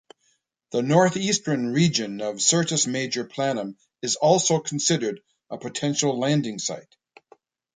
The northeastern region of Syrtis Major Planum is also considered a potential landing site.